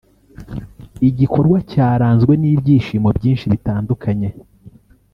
igikorwa cyaranzwe n’ibyishimo byinshi bitandukanye